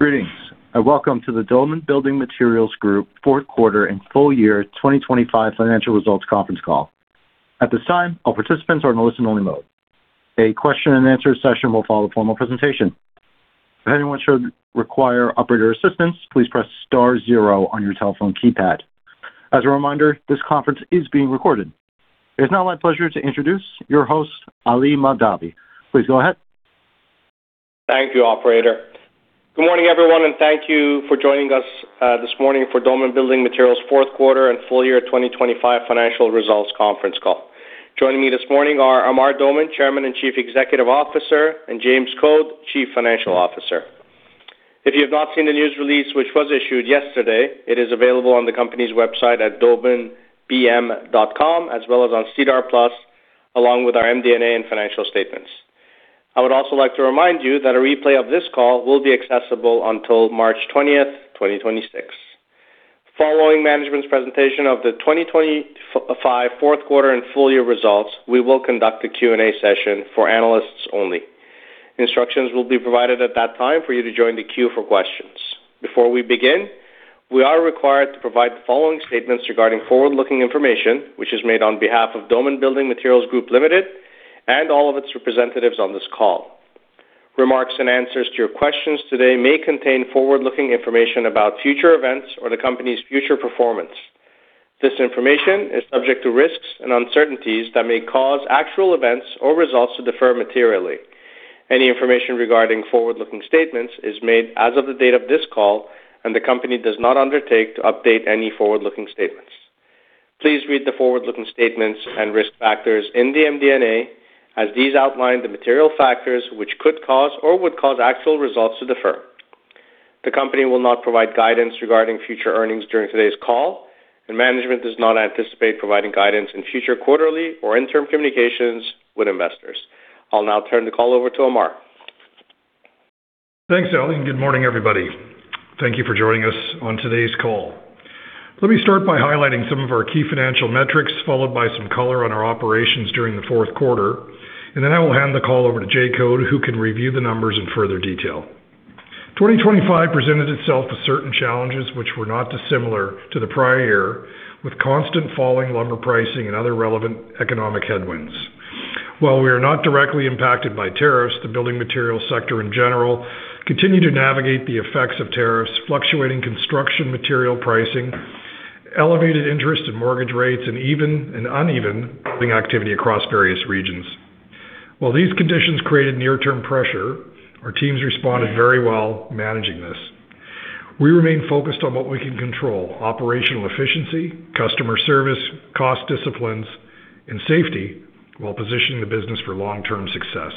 Greetings, welcome to the Doman Building Materials Group Q4 and full year 2025 financial results conference call. At this time, all participants are in listen-only mode. A Q&A session will follow the formal presentation. If anyone should require operator assistance, please press star zero on your telephone keypad. As a reminder, this conference is being recorded. It's now my pleasure to introduce your host, Ali Mahdavi. Please go ahead. Thank you, operator. Good morning, everyone, and thank you for joining us this morning for Doman Building Materials Q4 and full year 2025 financial results conference call. Joining me this morning are Amar Doman, Chairman and Chief Executive Officer, and James Code, Chief Financial Officer. If you have not seen the news release, which was issued yesterday, it is available on the company's website at domanbm.com, as well as on SEDAR+, along with our MD&A and financial statements. I would also like to remind you that a replay of this call will be accessible until March 20th, 2026. Following management's presentation of the 2025 Q4 and full year results, we will conduct a Q&A session for analysts only. Instructions will be provided at that time for you to join the queue for questions. Before we begin, we are required to provide the following statements regarding forward-looking information, which is made on behalf of Doman Building Materials Group Ltd. and all of its representatives on this call. Remarks and answers to your questions today may contain forward-looking information about future events or the company's future performance. This information is subject to risks and uncertainties that may cause actual events or results to defer materially. Any information regarding forward-looking statements is made as of the date of this call, and the company does not undertake to update any forward-looking statements. Please read the forward-looking statements and risk factors in the MD&A as these outline the material factors which could cause or would cause actual results to defer. The company will not provide guidance regarding future earnings during today's call, and management does not anticipate providing guidance in future quarterly or interim communications with investors. I'll now turn the call over to Amar. Thanks, Ali, good morning, everybody. Thank you for joining us on today's call. Let me start by highlighting some of our key financial metrics, followed by some color on our operations during the Q4, and then I will hand the call over to Jay Code, who can review the numbers in further detail. 2025 presented itself with certain challenges which were not dissimilar to the prior year, with constant falling lumber pricing and other relevant economic headwinds. While we are not directly impacted by tariffs, the building material sector in general continue to navigate the effects of tariffs, fluctuating construction material pricing, elevated interest in mortgage rates, and even an uneven building activity across various regions. While these conditions created near-term pressure, our teams responded very well managing this. We remain focused on what we can control: operational efficiency, customer service, cost disciplines, and safety while positioning the business for long-term success.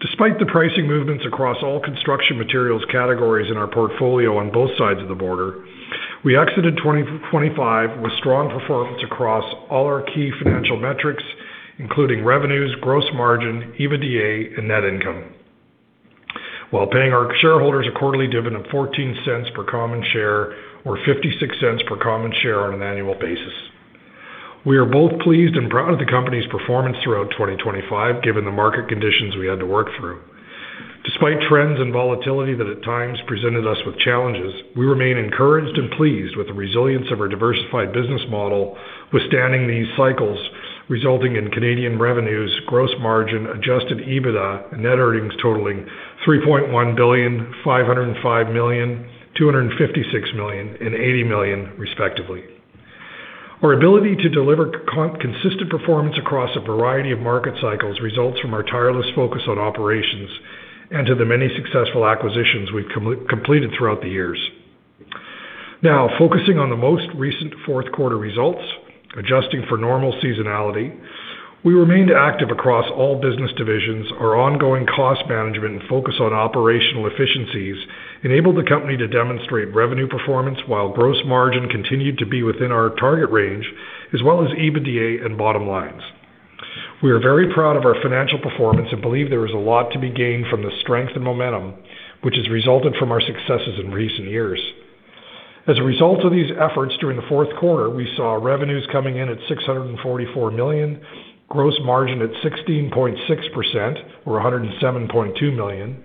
Despite the pricing movements across all construction materials categories in our portfolio on both sides of the border, we exited 2025 with strong performance across all our key financial metrics, including revenues, gross margin, EBITDA, and net income, while paying our shareholders a quarterly dividend of 0.14 per common share or 0.56 per common share on an annual basis. We are both pleased and proud of the company's performance throughout 2025, given the market conditions we had to work through. Despite trends and volatility that at times presented us with challenges, we remain encouraged and pleased with the resilience of our diversified business model withstanding these cycles, resulting in Canadian revenues, gross margin, adjusted EBITDA, and net earnings totaling 3.1 billion, 505 million, 256 million, and 80 million respectively. Our ability to deliver consistent performance across a variety of market cycles results from our tireless focus on operations and to the many successful acquisitions we've completed throughout the years. Focusing on the most recent Q4 results, adjusting for normal seasonality, we remained active across all business divisions. Our ongoing cost management and focus on operational efficiencies enabled the company to demonstrate revenue performance while gross margin continued to be within our target range as well as EBITDA and bottom lines. We are very proud of our financial performance and believe there is a lot to be gained from the strength and momentum which has resulted from our successes in recent years. As a result of these efforts during the Q4, we saw revenues coming in at 644 million, gross margin at 16.6% or 107.2 million,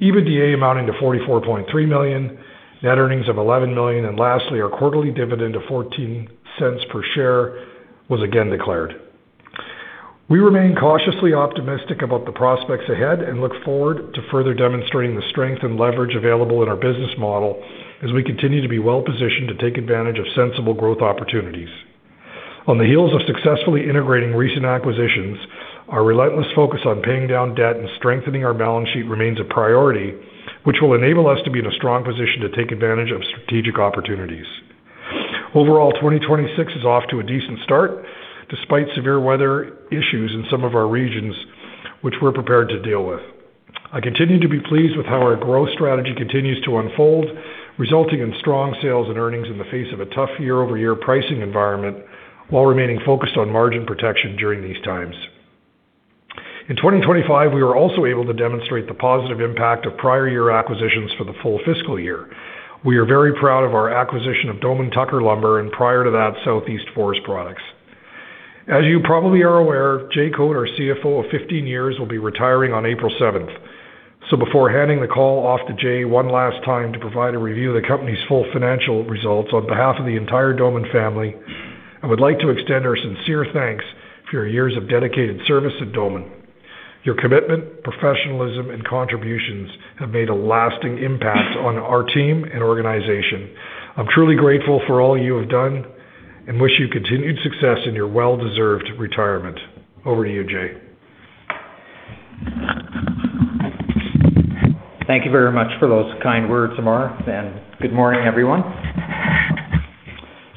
EBITDA amounting to 44.3 million, net earnings of 11 million, and lastly, our quarterly dividend of $0.14 per share was again declared. We remain cautiously optimistic about the prospects ahead and look forward to further demonstrating the strength and leverage available in our business model as we continue to be well-positioned to take advantage of sensible growth opportunities. On the heels of successfully integrating recent acquisitions, our relentless focus on paying down debt and strengthening our balance sheet remains a priority which will enable us to be in a strong position to take advantage of strategic opportunities. Overall, 2026 is off to a decent start despite severe weather issues in some of our regions, which we're prepared to deal with. I continue to be pleased with how our growth strategy continues to unfold, resulting in strong sales and earnings in the face of a tough year-over-year pricing environment while remaining focused on margin protection during these times. In 2025, we were also able to demonstrate the positive impact of prior year acquisitions for the full FY. We are very proud of our acquisition of Doman Tucker Lumber and prior to that, Southeast Forest Products. As you probably are aware, Jay Code, our CFO of 15 years, will be retiring on April 7th. Before handing the call off to Jay one last time to provide a review of the company's full financial results, on behalf of the entire Doman family, I would like to extend our sincere thanks for your years of dedicated service at Doman. Your commitment, professionalism, and contributions have made a lasting impact on our team and organization. I'm truly grateful for all you have done and wish you continued success in your well-deserved retirement. Over to you, Jay. Thank you very much for those kind words, Amar. Good morning, everyone.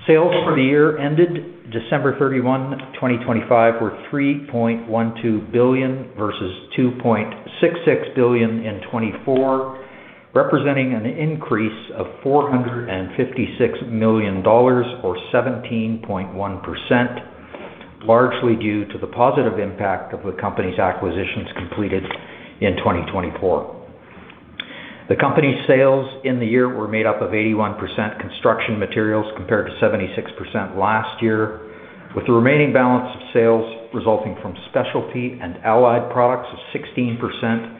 Sales for the year ended December 31, 2025 were 3.12 billion versus 2.66 billion in 2024, representing an increase of 456 million dollars or 17.1%, largely due to the positive impact of the company's acquisitions completed in 2024. The company's sales in the year were made up of 81% construction materials compared to 76% last year, with the remaining balance of sales resulting from specialty and allied products of 16%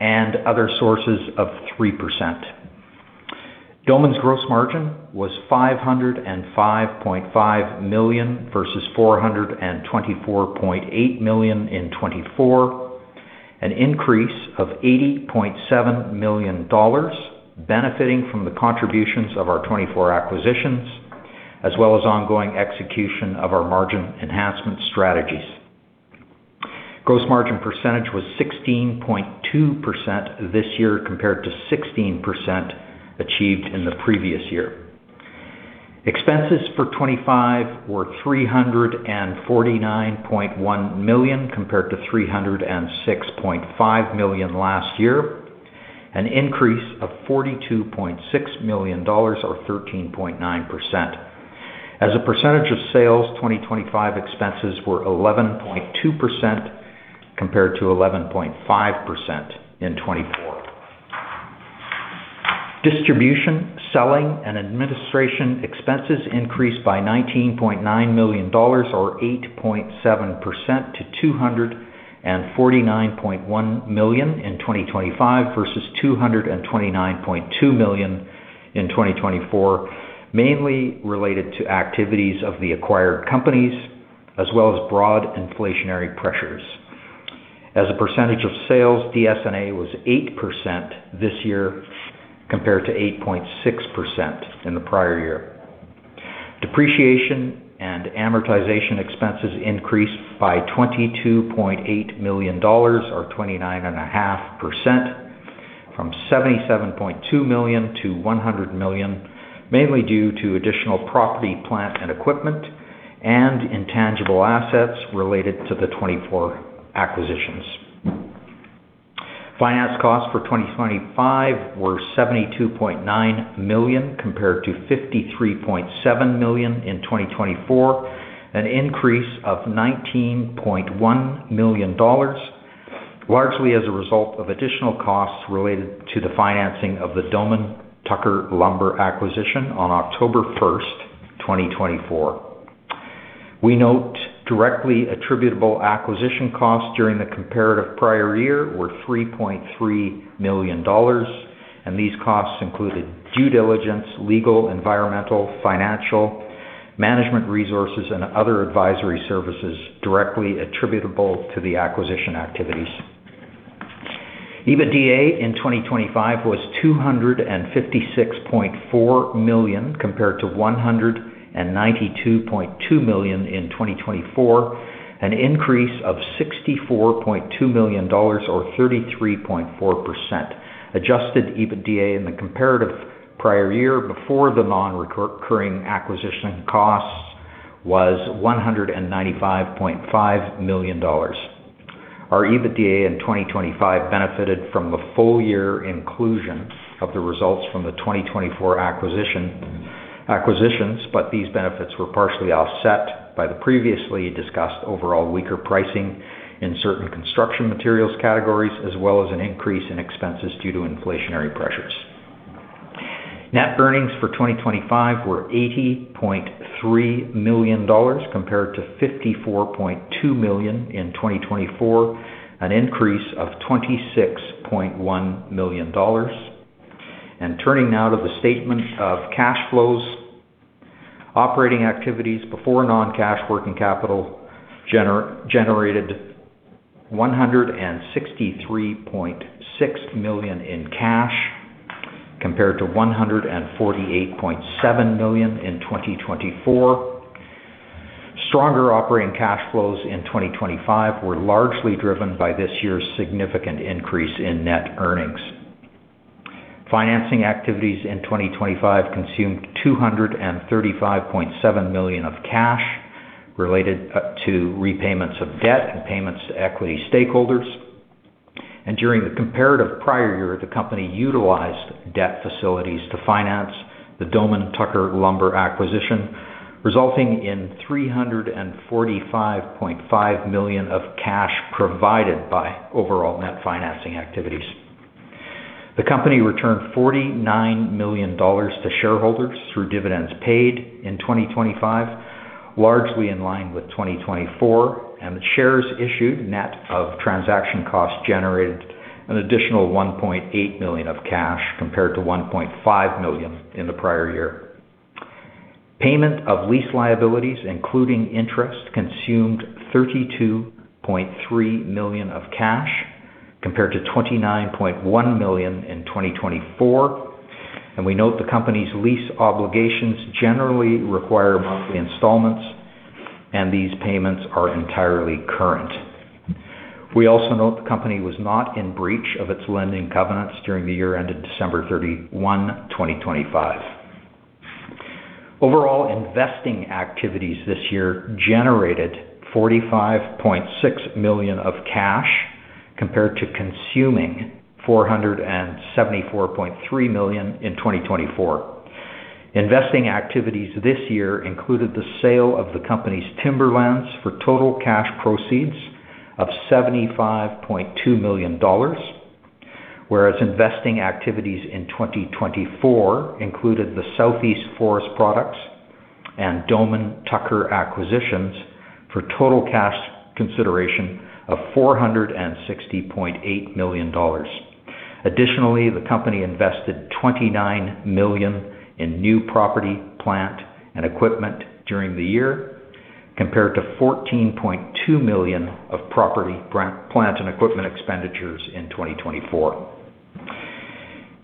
and other sources of 3%. Doman's gross margin was 505.5 million versus 424.8 million in 2024, an increase of 80.7 million dollars, benefiting from the contributions of our 24 acquisitions as well as ongoing execution of our margin enhancement strategies. Gross margin percentage was 16.2% this year compared to 16% achieved in the previous year. Expenses for 2025 were 349.1 million compared to 306.5 million last year, an increase of 42.6 million dollars or 13.9%. As a percentage of sales, 2025 expenses were 11.2% compared to 11.5% in 2024. Distribution, selling, and administration expenses increased by 19.9 million dollars or 8.7% to 249.1 million in 2025 versus 229.2 million in 2024, mainly related to activities of the acquired companies as well as broad inflationary pressures. As a percentage of sales, DS&A was 8% this year compared to 8.6% in the prior year. Depreciation and amortization expenses increased by 22.8 million dollars or 29.5% from 77.2 million to 100 million, mainly due to additional property, plant, and equipment and intangible assets related to the 2024 acquisitions. Finance costs for 2025 were 72.9 million compared to 53.7 million in 2024, an increase of 19.1 million dollars, largely as a result of additional costs related to the financing of the Doman Tucker Lumber acquisition on October 1, 2024. We note directly attributable acquisition costs during the comparative prior year were 3.3 million dollars, and these costs included due diligence, legal, environmental, financial, management resources, and other advisory services directly attributable to the acquisition activities. EBITDA in 2025 was 256.4 million compared to 192.2 million in 2024, an increase of 64.2 million dollars or 33.4%. Adjusted EBITDA in the comparative prior year before the non-recurring acquisition costs was 195.5 million dollars. Our EBITDA in 2025 benefited from the full year inclusion of the results from the 2024 acquisitions, these benefits were partially offset by the previously discussed overall weaker pricing in certain construction materials categories, as well as an increase in expenses due to inflationary pressures. Net earnings for 2025 were 80.3 million dollars compared to 54.2 million in 2024, an increase of 26.1 million dollars. Turning now to the statement of cash flows. Operating activities before non-cash working capital generated 163.6 million in cash compared to 148.7 million in 2024. Stronger operating cash flows in 2025 were largely driven by this year's significant increase in net earnings. Financing activities in 2025 consumed 235.7 million of cash related to repayments of debt and payments to equity stakeholders. During the comparative prior year, the company utilized debt facilities to finance the Doman Tucker Lumber acquisition, resulting in 345.5 million of cash provided by overall net financing activities. The company returned 49 million dollars to shareholders through dividends paid in 2025, largely in line with 2024, and the shares issued net of transaction costs generated an additional 1.8 million of cash compared to 1.5 million in the prior year. Payment of lease liabilities, including interest, consumed 32.3 million of cash, compared to 29.1 million in 2024. We note the company's lease obligations generally require monthly installments, and these payments are entirely current. We also note the company was not in breach of its lending covenants during the year ended December 31, 2025. Overall, investing activities this year generated 45.6 million of cash, compared to consuming 474.3 million in 2024. Investing activities this year included the sale of the company's timberlands for total cash proceeds of 75.2 million dollars. Whereas investing activities in 2024 included the Southeast Forest Products and Doman Tucker acquisitions for total cash consideration of 460.8 million dollars. Additionally, the company invested 29 million in new property, plant, and equipment during the year, compared to 14.2 million of property, plant, and equipment expenditures in 2024.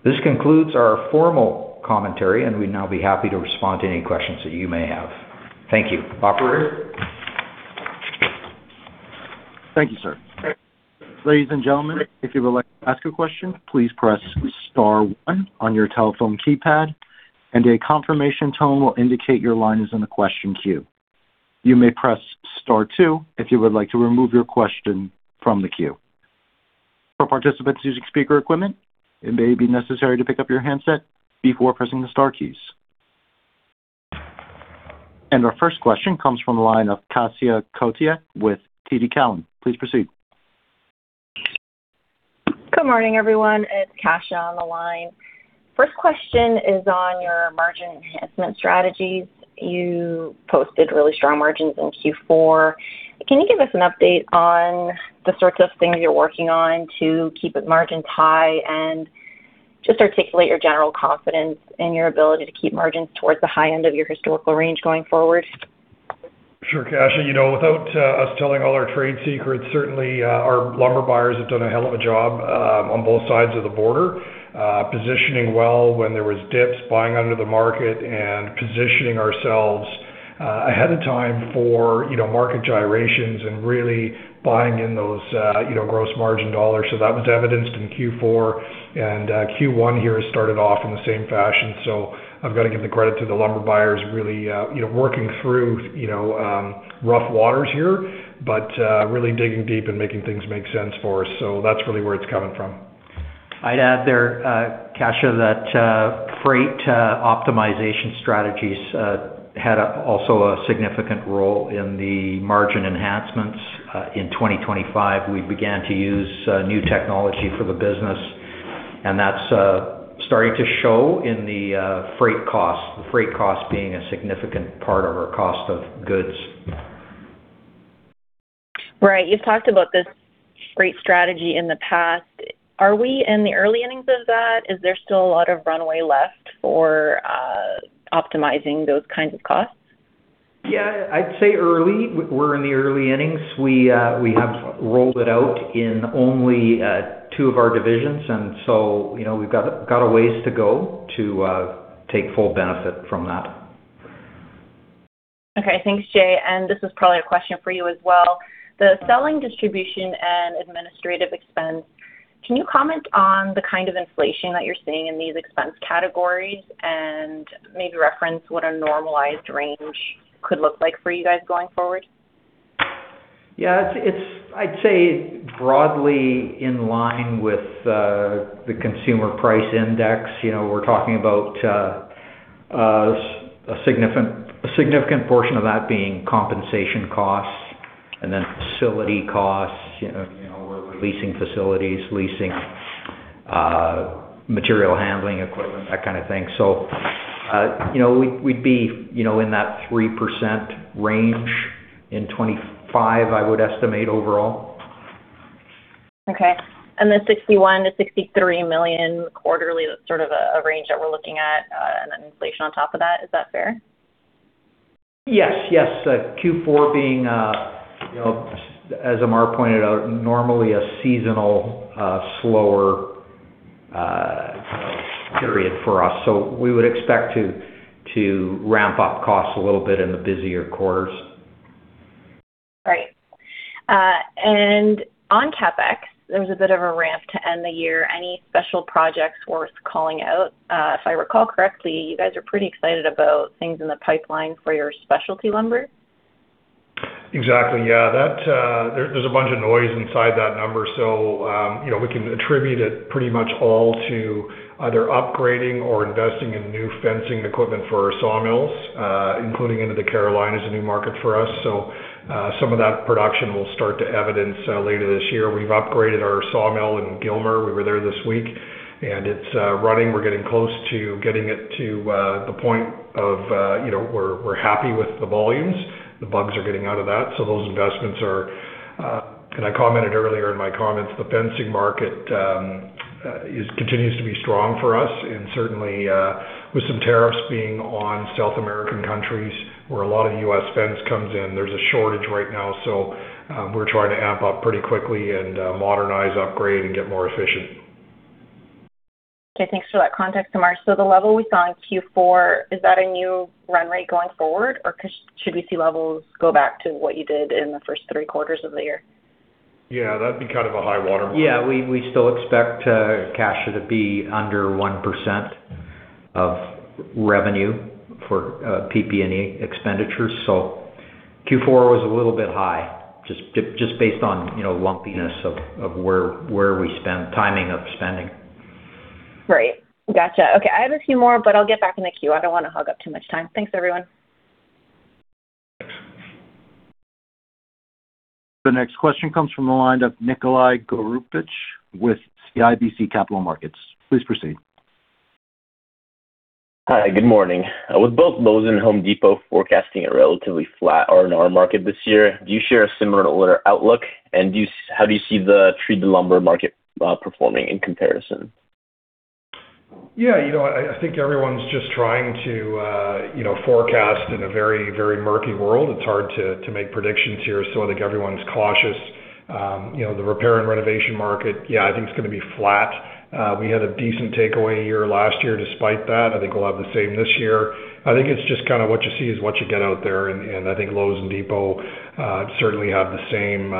This concludes our formal commentary, and we'd now be happy to respond to any questions that you may have. Thank you. Operator? Thank you, sir. Ladies and gentlemen, if you would like to ask a question, please press star one on your telephone keypad and a confirmation tone will indicate your line is in the question queue. You may press star 2 if you would like to remove your question from the queue. For participants using speaker equipment, it may be necessary to pick up your handset before pressing the star keys. Our first question comes from the line of Kasia Strasky with TD Cowen. Please proceed. Good morning, everyone. It's Kasia on the line. First question is on your margin enhancement strategies. You posted really strong margins in Q4. Can you give us an update on the sorts of things you're working on to keep the margins high and just articulate your general confidence in your ability to keep margins towards the high end of your historical range going forward? Sure. Kasia, you know, without us telling all our trade secrets, certainly, our lumber buyers have done a hell of a job on both sides of the border. Positioning well when there was dips, buying under the market and positioning ourselves ahead of time for, you know, market gyrations and really buying in those, you know, gross margin dollars. That was evidenced in Q4, and Q1 here has started off in the same fashion. I've got to give the credit to the lumber buyers, really, you know, working through, you know, rough waters here, but really digging deep and making things make sense for us. That's really where it's coming from. I'd add there, Kasia, that freight optimization strategies had also a significant role in the margin enhancements. In 2025, we began to use new technology for the business, and that's starting to show in the freight costs. The freight costs being a significant part of our cost of goods. Right. You've talked about this freight strategy in the past. Are we in the early innings of that? Is there still a lot of runway left for optimizing those kinds of costs? Yeah, I'd say early. We're in the early innings. We, we have rolled it out in only, 2 of our divisions, and so, you know, we've got a ways to go to take full benefit from that. Okay. Thanks, Jay. This is probably a question for you as well. The selling distribution and administrative expense, can you comment on the kind of inflation that you're seeing in these expense categories and maybe reference what a normalized range could look like for you guys going forward? Yeah. It's I'd say broadly in line with the Consumer Price Index. You know, we're talking about a significant portion of that being compensation costs and then facility costs. You know, we're leasing facilities, leasing material handling equipment, that kind of thing. You know, we'd be, you know, in that 3% range in 2025, I would estimate overall. Okay. The 61 million-63 million quarterly, that's sort of a range that we're looking at, then inflation on top of that. Is that fair? Yes. Yes. Q4 being, you know, as Amar pointed out, normally a seasonal, slower, you know, period for us. We would expect to ramp up costs a little bit in the busier quarters. Right. On CapEx, there was a bit of a ramp to end the year. Any special projects worth calling out? If I recall correctly, you guys are pretty excited about things in the pipeline for your specialty lumber. Exactly. Yeah, that, there's a bunch of noise inside that number. You know, we can attribute it pretty much all to either upgrading or investing in new fencing equipment for our sawmills, including into the Carolinas, a new market for us. Some of that production will start to evidence later this year. We've upgraded our sawmill in Gilmer. We were there this week, and it's running. We're getting close to getting it to the point of, you know, we're happy with the volumes. The bugs are getting out of that, those investments are... I commented earlier in my comments, the fencing market, continues to be strong for us and certainly, with some tariffs being on South American countries where a lot of U.S. fence comes in, there's a shortage right now, so, we're trying to amp up pretty quickly and, modernize, upgrade and get more efficient. Okay. Thanks for that context, Amar. The level we saw in Q4, is that a new run rate going forward or should we see levels go back to what you did in the first 3 quarters of the year? Yeah, that'd be kind of a high-water mark. Yeah. We, we still expect, cash should it be under 1% of revenue for, PP&E expenditures. Q4 was a little bit high just based on, you know, lumpiness of where we spend, timing of spending. Right. Gotcha. Okay. I have a few more, but I'll get back in the queue. I don't wanna hog up too much time. Thanks, everyone. The next question comes from the line of Nikolay Goroupitch with CIBC Capital Markets. Please proceed. Hi. Good morning. With both Lowe's and Home Depot forecasting a relatively flat R&R market this year, do you share a similar order outlook? How do you see the treated lumber market performing in comparison? You know, I think everyone's just trying to, you know, forecast in a very, very murky world. It's hard to make predictions here. I think everyone's cautious. You know, the repair and renovation market, I think it's gonna be flat. We had a decent takeaway year last year despite that. I think we'll have the same this year. I think it's just kinda what you see is what you get out there, and I think Lowe's and Depot certainly have the same,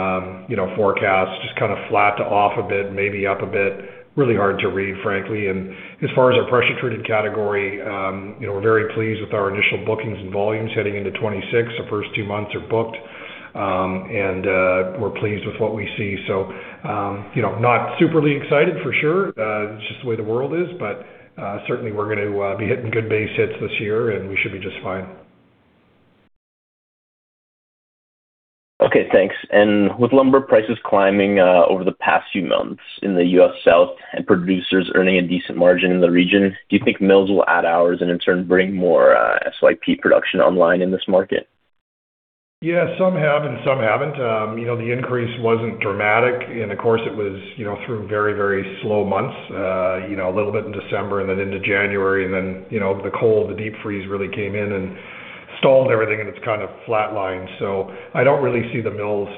you know, forecast, just kinda flat to off a bit, maybe up a bit. Really hard to read, frankly. As far as our pressure treated category, you know, we're very pleased with our initial bookings and volumes heading into 2026. The first 2 months are booked, and we're pleased with what we see. you know, not superly excited for sure, it's just the way the world is, but certainly we're gonna be hitting good base hits this year, and we should be just fine. Okay, thanks. With lumber prices climbing, over the past few months in the U.S. South and producers earning a decent margin in the region, do you think mills will add hours and in turn bring more, SYP production online in this market? Yeah, some have and some haven't. you know, the increase wasn't dramatic, and of course it was, you know, through very, very slow months. you know, a little bit in December and then into January, and then, you know, the cold, the deep freeze really came in and stalled everything, and it's kind of flatlined. I don't really see the mills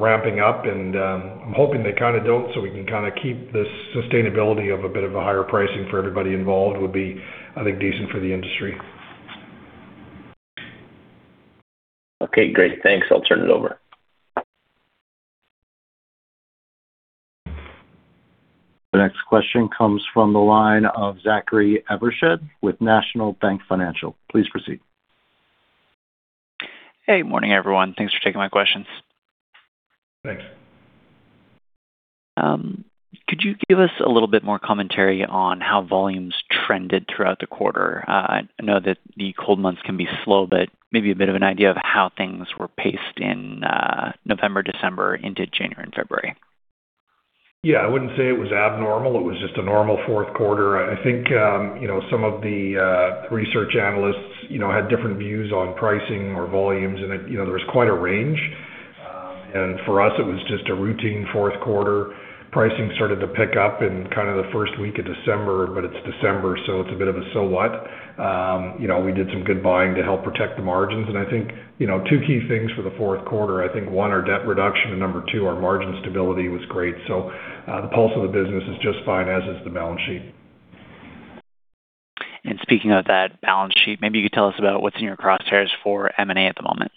ramping up and I'm hoping they kinda don't so we can kinda keep the sustainability of a bit of a higher pricing for everybody involved would be, I think, decent for the industry. Okay, great. Thanks. I'll turn it over. The next question comes from the line of Zachary Evershed with National Bank Financial. Please proceed. Hey, morning, everyone. Thanks for taking my questions. Thanks. Could you give us a little bit more commentary on how volumes trended throughout the quarter? I know that the cold months can be slow, but maybe a bit of an idea of how things were paced in November, December into January and February? Yeah, I wouldn't say it was abnormal. It was just a normal Q4. I think, you know, some of the research analysts, you know, had different views on pricing or volumes and it, you know, there was quite a range. For us it was just a routine Q4. Pricing started to pick up in kind of the first week of December, but it's December, so it's a bit of a so what. You know, we did some good buying to help protect the margins. I think, you know, 2 key things for the Q4, I think, one, our debt reduction, and number 2, our margin stability was great. The pulse of the business is just fine, as is the balance sheet. Speaking of that balance sheet, maybe you could tell us about what's in your crosshairs for M&A at the moment.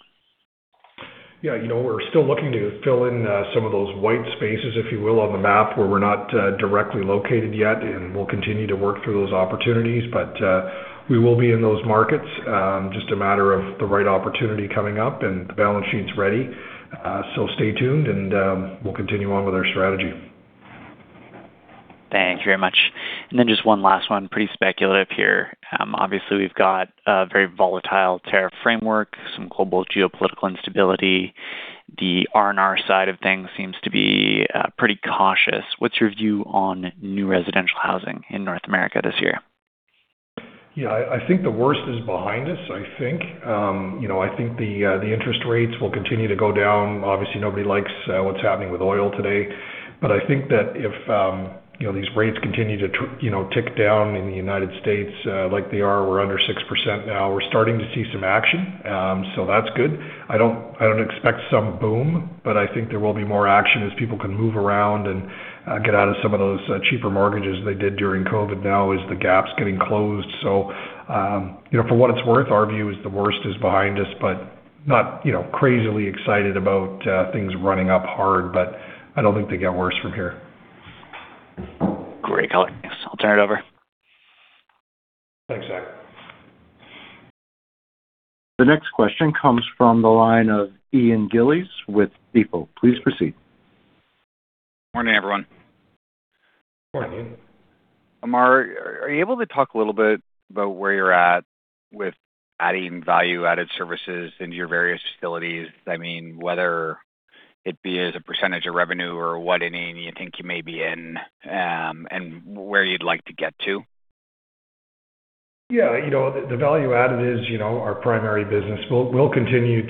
Yeah. You know, we're still looking to fill in some of those white spaces, if you will, on the map where we're not directly located yet. We'll continue to work through those opportunities. We will be in those markets, just a matter of the right opportunity coming up and the balance sheet's ready. Stay tuned and we'll continue on with our strategy. Thanks very much. Just one last one, pretty speculative here. Obviously we've got a very volatile tariff framework, some global geopolitical instability. The R&R side of things seems to be pretty cautious. What's your view on new residential housing in North America this year? Yeah. I think the worst is behind us, I think. you know, I think the interest rates will continue to go down. Obviously, nobody likes what's happening with oil today. I think that if, you know, these rates continue to you know, tick down in the United States, like they are, we're under 6% now. We're starting to see some action. That's good. I don't expect some boom, I think there will be more action as people can move around and get out of some of those cheaper mortgages they did during COVID now as the gap's getting closed. You know, for what it's worth, our view is the worst is behind us, but not, you know, crazily excited about things running up hard, but I don't think they get worse from here. Great. Thanks. I'll turn it over. Thanks, Zach. The next question comes from the line of Ian Gillies with BMO. Please proceed. Morning, everyone. Morning. Amar, are you able to talk a little bit about where you're at with adding value-added services into your various facilities? I mean, whether it be as a % of revenue or what inning you think you may be in, and where you'd like to get to? You know, the value-added is, you know, our primary business. We'll continue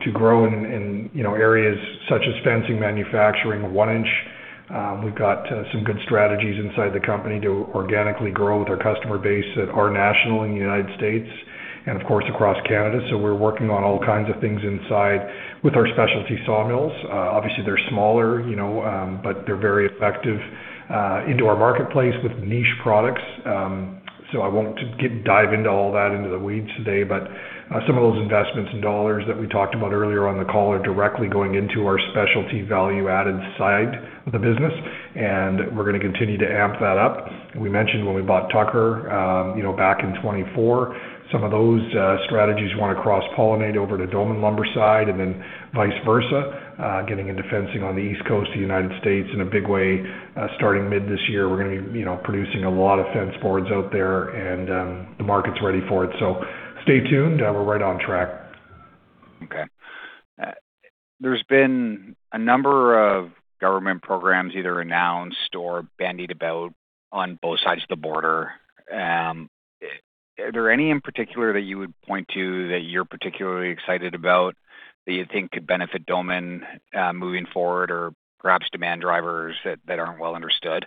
to grow in, you know, areas such as fencing manufacturing of 1 inch. We've got some good strategies inside the company to organically grow with our customer base at our national in the United States and of course, across Canada. We're working on all kinds of things inside with our specialty sawmills. Obviously, they're smaller, you know, but they're very effective into our marketplace with niche products. I won't dive into all that into the weeds today. Some of those investments in dollars that we talked about earlier on the call are directly going into our specialty value-added side of the business, and we're gonna continue to amp that up. We mentioned when we bought Tucker, you know, back in 2024, some of those strategies want to cross-pollinate over to Doman lumber side and then vice versa, getting into fencing on the East Coast of the United States in a big way, starting mid this year. We're gonna be, you know, producing a lot of fence boards out there and the market's ready for it. Stay tuned. We're right on track. There's been a number of government programs either announced or bandied about on both sides of the border. Are there any in particular that you would point to that you're particularly excited about that you think could benefit Doman moving forward or perhaps demand drivers that aren't well understood?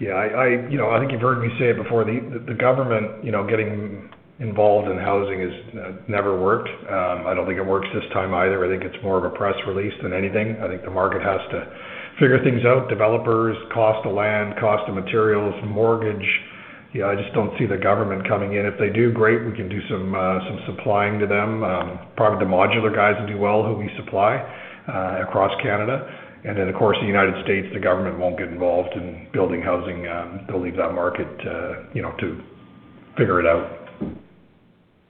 I, you know, I think you've heard me say it before. The government, you know, getting involved in housing has never worked. I don't think it works this time either. I think it's more of a press release than anything. I think the market has to figure things out. Developers, cost of land, cost of materials, mortgage. I just don't see the government coming in. If they do, great, we can do some supplying to them. Probably the modular guys will do well, who we supply across Canada. Of course, the United States, the government won't get involved in building housing. They'll leave that market to, you know, to figure it out.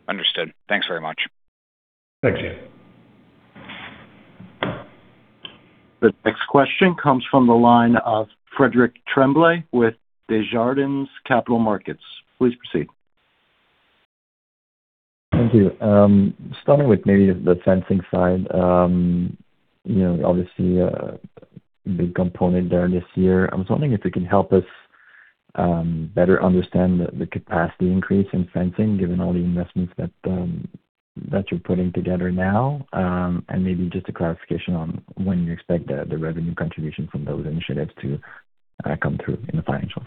Understood. Thanks very much. Thanks, Ian. The next question comes from the line of Frederic Tremblay with Desjardins Capital Markets. Please proceed. Thank you. Starting with maybe the fencing side, you know, obviously a big component there this year. I was wondering if you can help us better understand the capacity increase in fencing, given all the investments that you're putting together now, and maybe just a clarification on when you expect the revenue contribution from those initiatives to come through in the financials.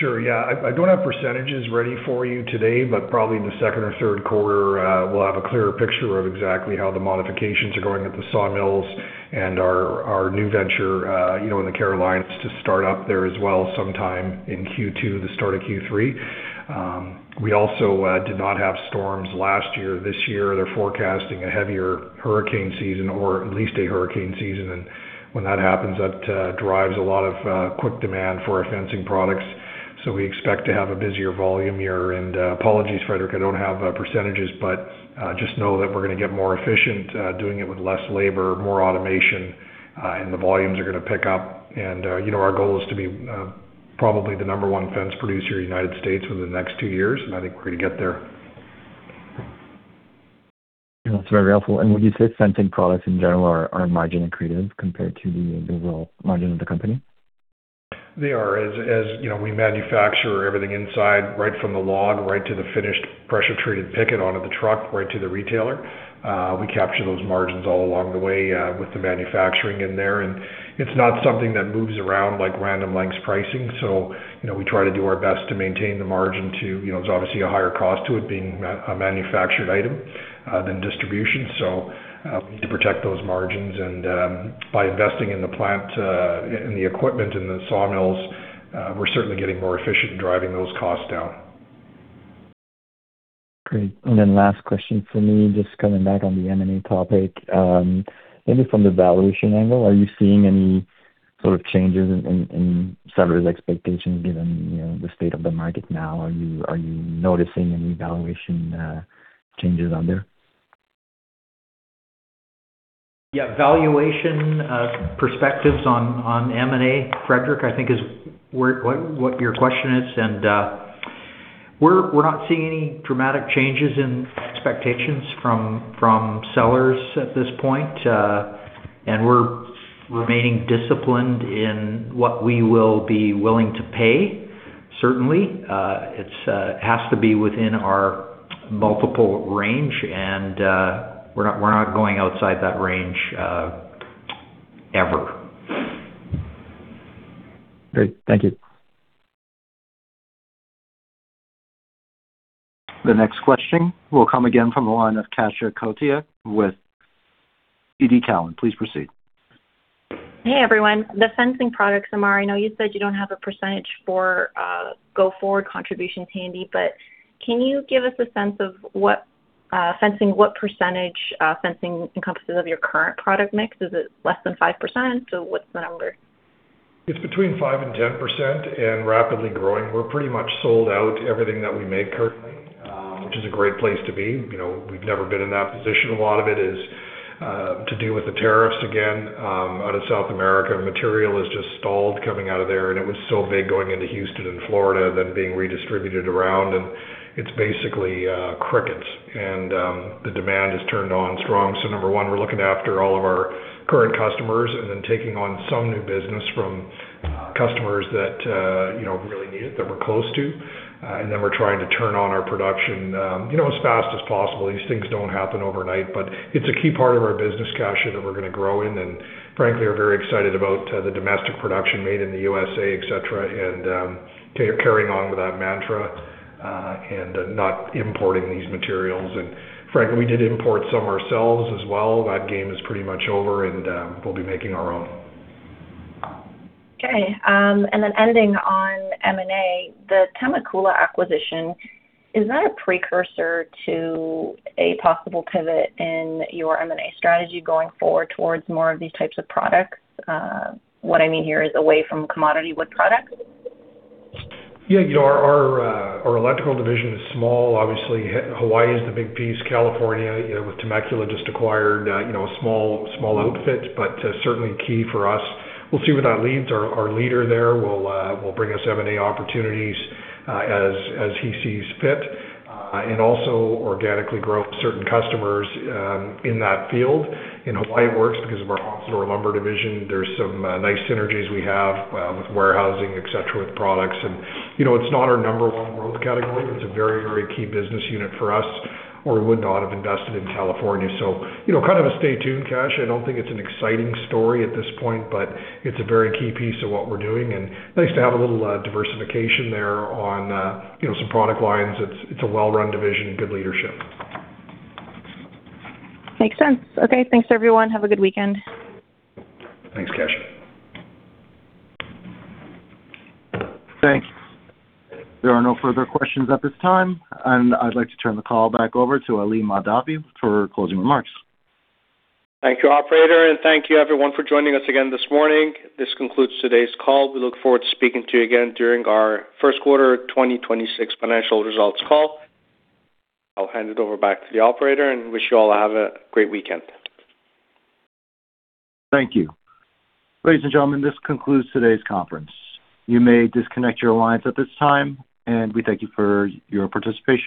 Sure. Yeah. I don't have percentages ready for you today, but probably in the second or Q3, we'll have a clearer picture of exactly how the modifications are going at the sawmills and our new venture, you know, in the Carolinas to start up there as well sometime in Q2, the start of Q3. We also did not have storms last year. This year, they're forecasting a heavier hurricane season or at least a hurricane season. When that happens, that drives a lot of quick demand for our fencing products. We expect to have a busier volume year. Apologies, Frederic, I don't have percentages, but just know that we're gonna get more efficient, doing it with less labor, more automation, and the volumes are gonna pick up. you know, our goal is to be, probably the number 1 fence producer in the United States within the next 2 years, and I think we're gonna get there. That's very helpful. Would you say fencing products in general are margin accretive compared to the raw margin of the company? They are. As you know, we manufacture everything inside, right from the log, right to the finished pressure-treated picket onto the truck, right to the retailer. We capture those margins all along the way, with the manufacturing in there. It's not something that moves around like random lengths pricing. You know, we try to do our best to maintain the margin to, you know... It's obviously a higher cost to it being a manufactured item than distribution. We need to protect those margins. By investing in the plant, in the equipment and the sawmills, we're certainly getting more efficient in driving those costs down. Great. Last question for me, just coming back on the M&A topic. Maybe from the valuation angle, are you seeing any sort of changes in seller's expectations given, you know, the state of the market now? Are you noticing any valuation changes on there? Yeah. Valuation, perspectives on M&A, Frederic, I think is what your question is. We're not seeing any dramatic changes in expectations from sellers at this point. We're remaining disciplined in what we will be willing to pay, certainly. It's, has to be within our multiple range and, we're not going outside that range, ever. Great. Thank you. The next question will come again from the line of Kasia Strasky with TD Cowen. Please proceed. Hey, everyone. The fencing products, Amar, I know you said you don't have a percentage for, go forward contributions handy, can you give us a sense of fencing, what percentage, fencing encompasses of your current product mix? Is it less than 5%? What's the number? It's between 5% and 10% and rapidly growing. We're pretty much sold out everything that we make currently, which is a great place to be. You know, we've never been in that position. A lot of it is to do with the tariffs again, out of South America. Material has just stalled coming out of there, and it was so big going into Houston and Florida than being redistributed around. It's basically crickets. The demand has turned on strong. Number 1, we're looking after all of our current customers and then taking on some new business from customers that, you know, really need it, that we're close to. Then we're trying to turn on our production, you know, as fast as possible. These things don't happen overnight, but it's a key part of our business, Kasia, that we're gonna grow in. Frankly, we're very excited about the domestic production made in the U.S.A., et cetera, and carrying on with that mantra, and not importing these materials. Frankly, we did import some ourselves as well. That game is pretty much over, and we'll be making our own. Okay. Ending on M&A, the Temecula acquisition, is that a precursor to a possible pivot in your M&A strategy going forward towards more of these types of products? What I mean here is away from commodity wood products. You know, our electrical division is small. Obviously, Hawaii is the big piece. California, you know, with Temecula just acquired, you know, a small outfit, certainly key for us. We'll see where that leads. Our, our leader there will bring us M&A opportunities as he sees fit and also organically grow certain customers in that field. In Hawaii, it works because of our home store lumber division. There's some nice synergies we have with warehousing, et cetera, with products. You know, it's not our number one growth category, it's a very key business unit for us, we would not have invested in California. You know, kind of a stay tuned, Kash. I don't think it's an exciting story at this point, but it's a very key piece of what we're doing, and nice to have a little diversification there on, you know, some product lines. It's a well-run division and good leadership. Makes sense. Okay, thanks everyone. Have a good weekend. Thanks, Kash. Thanks. There are no further questions at this time, and I'd like to turn the call back over to Ali Mahdavi for closing remarks. Thank you, operator, and thank you everyone for joining us again this morning. This concludes today's call. We look forward to speaking to you again during our Q1 of 2026 financial results call. I'll hand it over back to the operator and wish you all have a great weekend. Thank you. Ladies and gentlemen, this concludes today's conference. You may disconnect your lines at this time, and we thank you for your participation.